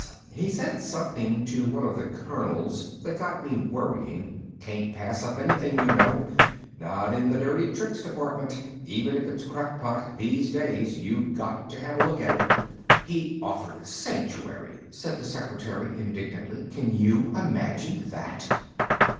He said something to one of the colonels that got me worrying. Can't pass up anything, you know not in the Dirty Tricks Department. Even if it's crackpot, these days you got to have a look at it." "He offered sanctuary," said the secretary indignantly. "Can you imagine that!"